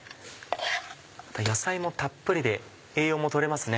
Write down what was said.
野菜もたっぷりで栄養も取れますね。